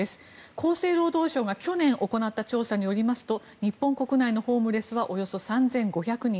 厚生労働省が去年行った調査によりますと日本国内のホームレスはおよそ３５００人。